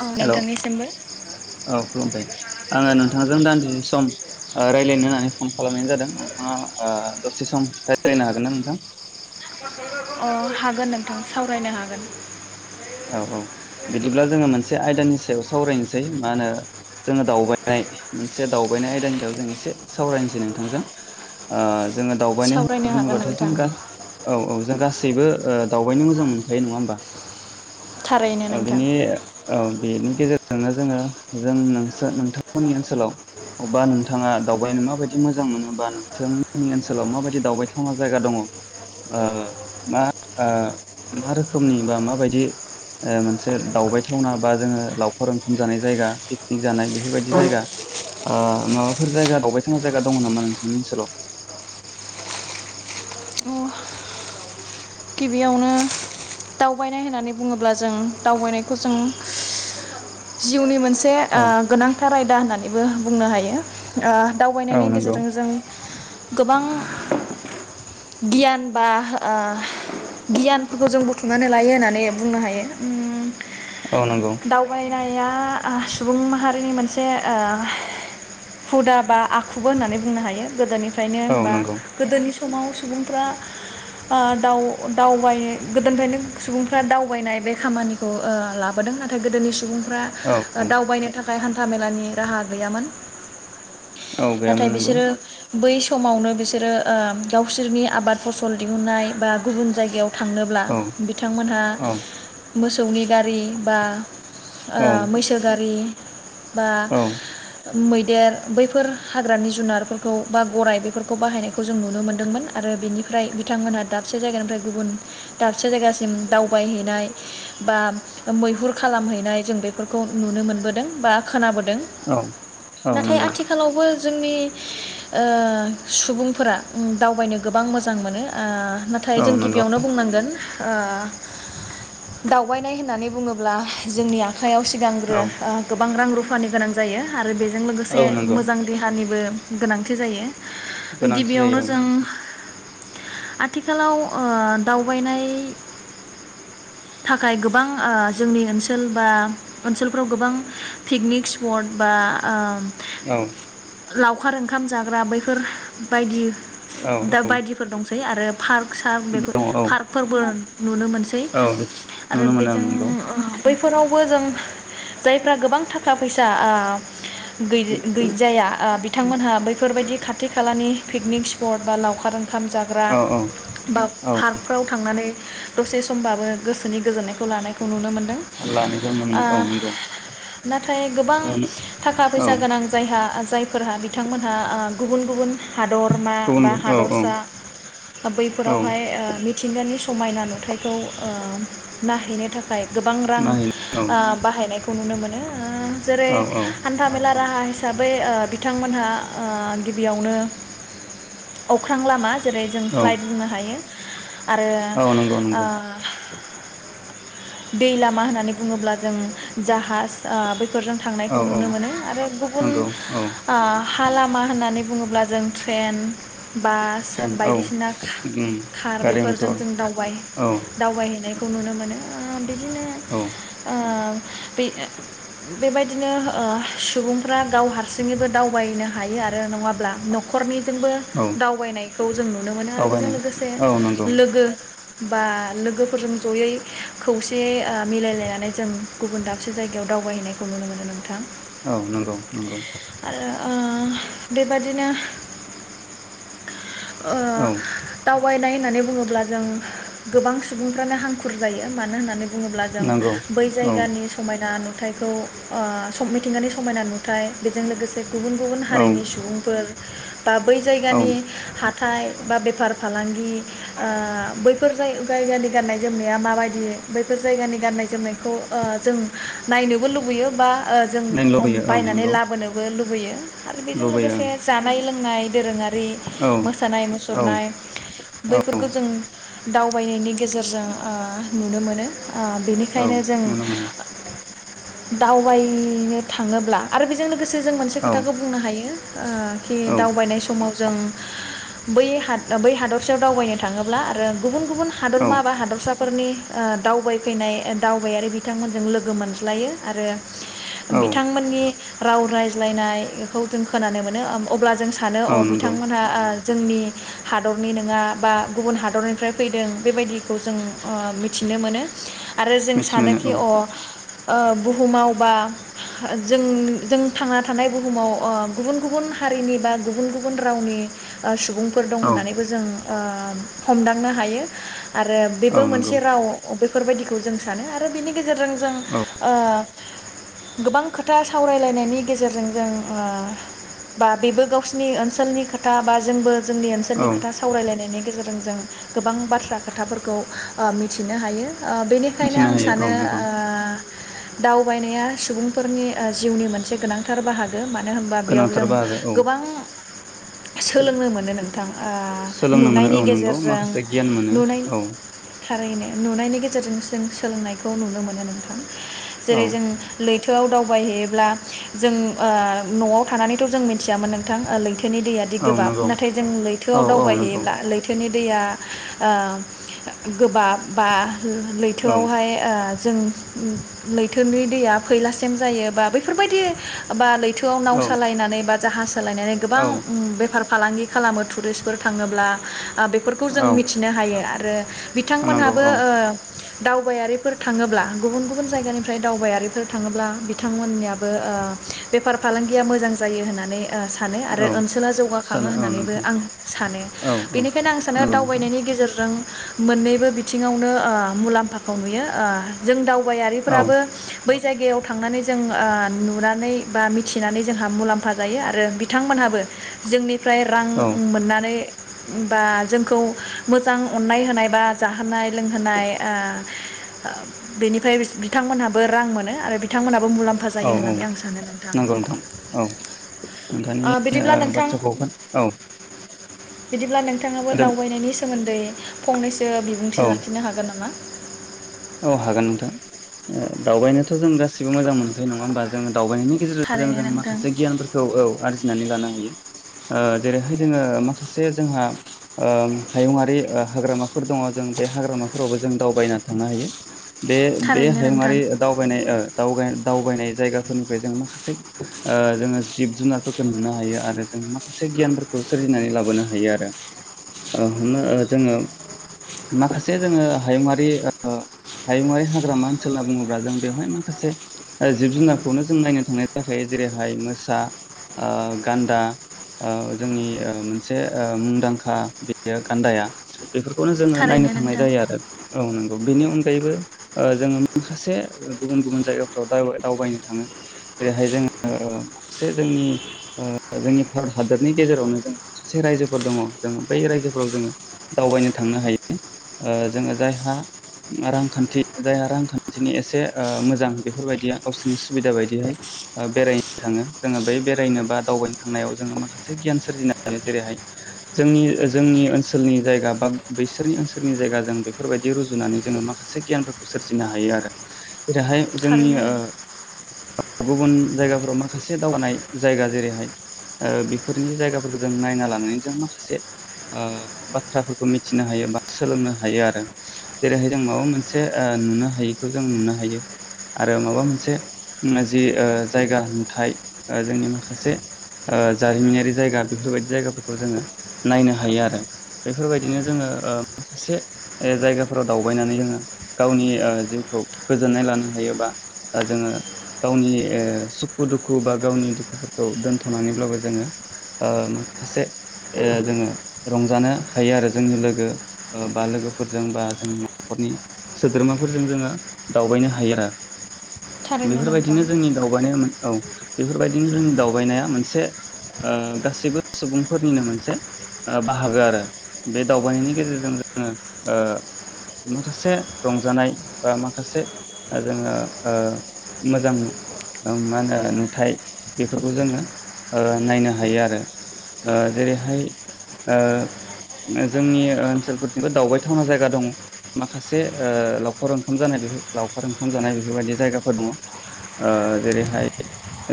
अ हेल नोंथांनिसिमबो औ खुलुमदों आङो नोंथांजों दान्दि सम ओ रायज्लायनो होननानै फन खालामनाय जादों नोंथाङा दसे सम। रायलायनो हागोन ना नोंथां। औ सावरायनो हागोन। औ-औ बिदिब्ला जोङो मोनसे आयदानि सायाव सावरायनोसै मा होनो जोङो दावबायनाय मोनसे दावबायनाय आयदानि सायाव जों एसे सावरायनोसै नोंथांजों ओ। जोङो दावबायनाय सावरायनो होनना हागोन बुङोब्लाथ' नोंथां जों औ- औ। जों गासैबो ओ दावबायनो मोजां मोनखायो नङा होमबा। थारैनो औ नोंथां बिनि औ। बेनि गेजेरजोंनो जोङो जों नोंस नोंथांमोननि ओनसोलाव अबा नोंथाङा दावबायनो माबायदि मोजां मोनो बा नोंसांमोननि ओनसोलाव माबायदि दावबायथावना जायगा दङ ओ मा आ मा रोखोमनि बा माबायदि। ओ मोनसे दावबायथावना बा जोङो लावखार ओंखाम जानाय जायगा पिकनिक जानाय बेफोरबायदि जायगा ओ माबाफोर जायगा दावबायथावना जायगा दङ नामा नोंथांनि ओनसोलाव। अ गिबियावनो दावबायनाय होननानै बुङोब्ला जों दावबायनायखौ जों जिउनि मोनसे। से ओ औ गोनांथार आयदा होननानै बेबो बुंनो हायो। ओ औ दावबायनायनि नंगौ गेजेरजों जों। गोबां गियान बा ओह। गियानफोरखौ जों बुथुमनानै लायो होननानै बुंनो हायो उम। औ नंगौ। नाया ओ सुबुं माहारिनि मोनसे ओ हुदा बा आखुबो होननानै बुंनो हायो गोदोनि फ्रायनो औ बा नंगौ गोदोनि समाव सुबुंफ्रा ओ दाउ अ दावबायै गोदोनिफ्रायनो सुबुंफ्रा दावबायनाय बे खामानिखौ ओ लाबोदों नाथाय गोदोनि सुबुं फ्रा औ ओ औ दावबायनो थाखा खाय हान्थामेलानि राहा गैयामोन। औ नाथाय गैयामोन नंगौ। बिसोरो बै समावनो बिसोरो ओ गावसोरनि आबाद फसल दिहुननाय बा गुबुन जायगायाव थांनोब्ला औ बिथांमोनहा औ मोसौ नि गारि बा ओ औ मैसो गारि बा औ मैदेर बैफोर हाग्रानि जुनारफोरखौ बा गराइ बेफोरखौ बाहायनायखौ जों नुनो मोनदोंमोन आरो बेनिफ्राय बिथांमोनहा दा से जायगानिफ्राय गुबुन दाबसे जायगासिम दावबाय हैनाय बा मैहुर खालामहैनाय जों बेफोरखौ नुनो मोनबोदों बा खोनाबो दों औ औ नाथाय नंगौ आथिखालावबो जोंनि ओ सुबुंफोरा उम दावबायनो गोबां मोजां मोनो ओ नाथाय औ जों नंगौ गिबियावनो बुंनांगोन ओ दावबायनाय होननानै बुङोब्ला जोंनिया आखायाव सिगांग्रो औ ओ गोबां रां रुफ फा नि गोनां जायो आरो बे जों लोगोसे औ नंगौ मोजां देहानिबो गोनांथि जायो। गोनांथि गिबियावनो जायो जों आथिख खालाव ओ दावबायनाय थाखाय गोबां ओ जोंनि ओनसोल बा ओनसोलफ्राव गोबां पिकनिक सिप्ट बा ओ औ लावखार ओंखाम जाग्रा बैफोर बायदि औ दा बायदिफोर दं सै आरो पार्क सार बेखौ दङ औ पार्कफोरबो नुनो मोनसै औ आरो नुनो मोनो आं बेजों नंगौ ओ बैफोरावबो जों जायफ्रा गोबां थाखा फैसा ओ गै-गैजाया ओ बिथ थांमोनहा बैफोरबायदि खाथि खालानि पिकनिक स्पट बा लावखार ओं खाम जाग्रा औ औ बा औ फार्गफ्राव थांनानै दसे समबाबो गोसोनि गोजोननाय खौ लानायखौ नुनो मोनदों लानायखौ नुनो ओ मोनो औ नंगौ नाथाय गोबां थाखा औ फैसा गोनां जायहा जायफोरहा बिथांमोनहा ओ गुबुन गुबुन हादरमा गुबुन बा औ औ हादरसा औ बैफोरावहाय ओ मिंथिंगा नि समायना नुथायखौ ओ नायहैनो थाख फाय गोबां रां नायहैनो ओ बाहायनाय खौ नुनो मोनो ओ जेरै औ औ हान्था मेला राहा हिसाबै ओ बिथांमोनहा ओ गिबियावनो अख्रां लामा जेरै जों औ फ्लाय बुंनो हायो। आरो औ नंगौ ओ नंगौ दै लामा होननानै बुङोब्ला जों जाहाज ओ फोरजों औ थांनायखौ औ नुनो मोनो आरो गुबुन नंगौ औ आ हा लामा होननानै बुङोब्ला जों ट्रेन बास ट्रेन औ बायदिसि खार गारि बेफोरजों मथर जों दावबाय औ दावबायहैनायखौ नुनो मोनो। ओ बिदिनो औ ओ बे ओ बेबायदिनो ओ सुबुंफ्रा गाव हारसिङैबो दावबायनो हायो आरो नङाब्ला नखरनि जोंबो औ दावबायनायखौ जों नु मोनो आरो बेजों दावबायनाय लोगोसे औ नंगौ लोगो बा लोगोफोरजों जयै खौसेयै ओ मिलायलायनानै जों गुबुन दाबसे जायगायाव दावबायहैनायखौ नुनो मोनो नोंथां। औ नोंगौ नोंगौ। आरो ओ बेबादिनो ओ औ दावबायनाय होननानै बुङोब्ला जों गोबां सुबुंफ्रानो हांखुर जायो मानो होननानै बुङोब्ला जों नंगौ बै औ जायगानि समायना नु नुथायखौ ओ सब-मिथिंगानि समायना नुथाय बेजों लोगोसे गुबुन गुबुन औ हारिनि सुबुंफोर। बा बै औ जायगानि हा हाथाय बा बेफार फालांगि ओ बैफोर जाय जायगानि गाननाय जोमनाया माबायदि बैफोर जायगानि गाननाय जोमनायखौ ओ जों नायनोबो लुबैयो बा ओ जों नायनो लुबैयो औ बायनानै नंगौ लाबोनोबो लुबैयो। लुबैयो। आरो बेजों लुबैयो लोगोसे जानाय लोंनाय नाय दोरोङारि ओं [unintelligible] मोसानाय औ मुसुरनाय औ औ बैफोरखौ जों दावबायनायनि गेजेरजों ओ नुनो मोनो। ओ औ बेनिखायनो जों नुनो मोनो दावबायनो थाङोब्ला आरो बेजों लोगोसे से जों मोनसे औ खोथाखौ बुंनो हायो। ओ खि औ दावबायनाय समाव जों बै हाद-बै हादरसायाव दावबायनो थाङोब्ला आरो गुबुन गुबुन औ हादरमा बा हादरसा फोरनि ओ दावबायफैनाय दावबायारि बिथांमोनजों लोगो मोनज्लायो आरो औ बिथांमोननि राव रायज्लायनायखौ जों खोनानो मोनो ओम अब्ला ज सानो अ औ बिथां नंगौ ओ जोंनि हादरनि नोङा बा गुबुन हादरनिफ्राय फैदों बेबायदिखौ जों ओ मिथिनो मोनो। आरो जों मिथि मोनो सानोखि औ अ ओ बुहुमाव बा जों जों थांना थानाय बुहुमाव ओ गुबुन गुबुन हारिनि बा गुबुन गुबुन रावनि ओ सुबुं फोर दं औ होननानैबो जों ओ हमदांनो हायो। आरो औ बेबो नंगौ मोनसे राव बे बेफोरबायदिखौ जों सानो आरो बिनि गेजेरजों जों औ ओ गोबां खोथा सावरायलायनायनि गेजेरजों जों ओ बा बेबो गावसिनि ओनसोलनि खोथा बा जोंबो जोंनि ओनसोलनि औ खोथा सावरायलायनायनि गेजेरजों जों गोबां बाथ्रा खोथाफोरखौ ओ मिथिनो हायो ओ बेनिखायनो मिथिनो आं हायो सानो औ नंगौ ओ दावबायनाया सुबुंफोरनि ओ जिउनि मोनसे गोनांथार बाहागो मानो होनबा बेयाव गोनांथार जों बाहागो औ गोबां सोलोंनो मोनो नोंथां ओ सोलोंनो मोनो औ नुनायनि नंगौ गेजेरजों माखासे गियान मोनो नुनाय औ थारैनो नुनायनि गेजेरजों जों सोलोंनायखौ नुनो मोनो औ जेरै जों लै थोआव दावबायहैयोब्ला जों ओ नआव थानानैथ जों मिथियामोन नोंथां लैथो दैयादि औ गोबाब नंगौ नाथाय जों औ लैथोआव औ नंगौ दावबायहैयोब्ला लैथोनि दैया ओ गोबाब बा औ लैथोआवहाय ओ जों लैथोनि दैया फैलासेम जायो बा बेैफोरबायदि बा लै थोआव नाव औ सालायनानै बा जाहास सालायनानै औ गोबां बेफार फालांगि खालामो टुरिस्टफोर थाङोब्ला ओ बेफोरखौ जों औ मिथिनो हायो आरो आरो नंगौ बिथांमोनहाबो औ ओ दावबायारिफोर थाङोब्ला गुबुन गुबुन जायगानिफ्राय दावबायारिफोर थाङोब्ला बिथांमोननियाबो ओ बेफार फालांगिया मोजां जायो होननानै सानो आरो औ ओनसोला जौगाखाङो सानो औ होननानैबो नंगौ आं सानो औ औ बेनिखायनो आं सानो नंगौ नोंथां दावबायनायनि गेजेरजों मोननैबो बिथिङावनो ओ मुलाम्फाखौ नुयो ओ जों दाव औ दावबायारिफोराबो बै बे जायगायाव थांनानै जों ओ नुनानै बा मिथिनानै जोंहा मुलाम्फा जायो आरो बिथांमोनहाबो जोंनि फ्राय रां औ मोननानै बा जोंखौ मोजां अननाय होनाय बा जाहोनाय लोंहोनाय ओ ओ बेनिफ्राय बिथांमोनहाबो रां मोनो आरो बिथांमोनाबो मुलाम्फा जायो औ औ होननानै आं सानो नोंथां ओ बिदि आ बाथ्राखौ खोना [inaudible] औ बिदिब्ला नों नोंथाङाबो आदा दावबायनायनि सोमोन्दै नै फंनैसो औ बिबुंथि लाखिनो हागोन नामा? औ हागोन नोंथां दावबायनोथ जों गासिबो मोजां मोनखायो नङा होमबा जों दावबायनायनि गेजेरजों थारैनो जों नोंथां माखासे गियानफोरखौ औ आरजिनानै लानो हायो ओ जेरैहाय जोङो माखासे जोंहा हायुङारि हाग्रामाफोर दङ जों बे हाग्रामाफोरावबो जों दावबायना थांनो हायो बे बे थारैनो नोंथां हायुङारि दावबायनाय ओ दावग दावबायनाय जायगाफोरनिफ्राय जों माखासे जोङो जिब जुनारफोरखौ नुनो हायो आरो जों माखासे गियानफोरखौ सोरजिनानै लाबोनो हायो आरो हमनो जोङो माखासे जोङो हायुङारि हायुंङारि हाग्रामा ओनसोल होनना बुङोब्ला जों बेवहाय माखासे जिब जुनारखौनो जों नायनो थांनाय जाखायो जेरैहाय मोसा गान्दा जोंनि मोनसे मुंदांखा बेयो गान्दाया बेफोरखौनो जोङो नायनो थारैनो थांनाय नोंथां जायो आरो औ नों बेनि अन गैबो जोङो माखासे गुबुन गुबुन जायगाफ्राव दावबायनो थाङो जेरैहाय जोङो मसे जोंनि जोंनि भारत हादरनि गेजेरावनो जों माखासे रायजोफोर दङ जों बै रायजोफोराव जोङो दावबायनो थांनो हायो जोङो जायहा रांखान्थि जायहा रांखान्थिनि एसे मोजां बेफोरबायदिया गावसोरनि सुबिदा बायदिहाय बेरायनो थाङो जोङो बै बेरायनो बा दावबायनो थांनायाव जोङो माखासे गियान सोरजिनो हायो जेरैहाय जोंनि जोंनि ओनसोलनि जायगा बा बैसोरनि ओनसोलनि जायगा जों बेफोरबायदि रुजुनानै जोङो माखासे गियानफोरखौ सोरजिनो हायो आरो जेरैहाय जोंनि थारैनो नों गुबुन जायगाफोराव माखासे दावगानाय जायगा जेरैहाय बेफोरनि जायगाफोरखौ जों नायना लानानै जों माखासे बाथ्राफोरखौ मिथिनो हायो बा सोलोंनो हायो आरो जेरैहाय जों माबा मोनसे नुनो हायिखौ जों नुनो हायो। आरो माबा मोनसे जि ओ जायगा नुथाय जोंनि माखासे ओ जारिमिनारि जायगा बेफोरबायदि जायगाफोरखौ जोङो नायनो हायो। आरो बेफोरबायदिनो जोङो ओ माखासे जायगा फोराव दावबायनानै जोङो गावनि जिउखौ गोजोननाय लानो हायो बा जोङो गावनि ओ सुखु दुखु बा गावनि दुखुफोरखौ दोनथनानैब्लाबो जोङो ओ माखासे जोङो रंजानो हायो आरो जोंनि लोगो बा लोगोफोरजों बा ज नखरनि सोद्रोमाफोरजों जोङो दावबायनो हायो। थारैनो नोंथां बेफोरबायदिनो जोंनि दावबायनाय औ बेफोरबायदिनो जोंनि दावबायनाया मोनसे गासैबो सुबुंफोरनिनो मोनसे बाहागो आरो बे दावबायनायनि गेजेरजों जोङो माखासे रंजानाय बा माखासे जोङो ओ मोजां मा होनो नुथाय बेफोरखौ जोङो नायनो हायो आरो जेरैहाय जोंनि ओनसोलफोरथिंबो दावबायथावना जायगा दङ माखासे ओ लावखार ओंखाम जानाय लावखार ओंखाम जानाय बेफोरबायदि जायगाफोर दङ जेरैहाय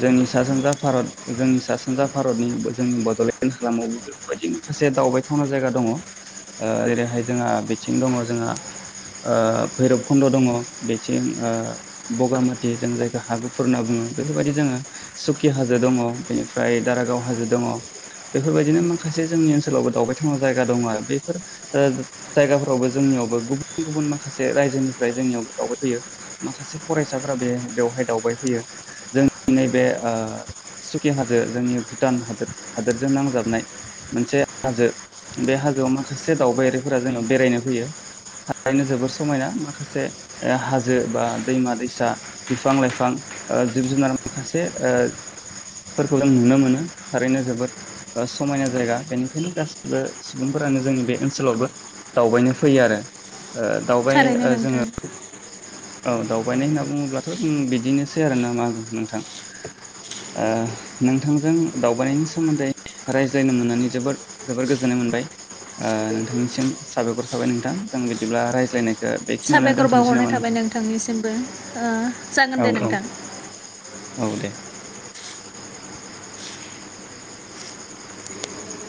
जोंनि सा सानजा भारत जोंनि सा सानजा भारतनि जोंनि बडलेण्ड हालामावबो बेफोरबायदि माखासे दावबायथावना जायगा दङ जेरैहाय जोंहा बिथिं दङ जोंहा भैरबकुन्द दङ बेथिं बगामाथि जों जायखौ हागुफुर होनना बुङो बेफोरबायदि जोङो सुकि हाजो दङ बेनिफ्राय दारागाव हाजो दङ बेफोरबायदिनो माखासे जोंनि ओनसोलावबो दावबायथावना जायगा दङ बेफोर जायगाफोरावबो जोंनियावबो गुबुन गुबुन माखासे रायजोनिफ्राय जोंनियावबो दावबायफैयो माखासे फरायसाफोरा बे बेवहाय दावबायफैयो जों नैबे सुकि हाजो जोंनि भुटान हादोर हादोरजों नांजाबनाय मोनसे हाजो बे हाजोआव माखासे दावबायारिफोरा जोंनियाव बेरायनो फैयो थारैनो जोबोद समायना माखासे हाजो बा दैमा-दैसा बिफां लाइफां जिब जुनार माखासे फोरफोरखौ जों नुनो मोनो थारैनो जोबोद समायना जायगा बेनिखायनो गासिबो सुबुंफोरानो जोंनि बे ओनसोलावबो दावबायनो फै फैयो आरो दावबाय थारैनो नोंथां जोङो औ दावबायनाय होनना बुङोब्लाथ जों बिदिनोसै आरोना मा नोंथां नोंथांजों दावबायनायनि सोमोन्दै रायज्लायनो मोननानै जोबोर जोबोर गोजोननाय मोनबाय नोंथांनिसिम साबायखर थाबाय नोंथां जों बिदिब्ला रायज्लायनाय साबायखर बावहरनाय थाबाय नोंथांनिसिमबो जागोन औ दे नोंथां औ औ दे।